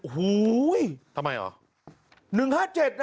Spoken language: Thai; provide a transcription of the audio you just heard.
โหทำไมหรอ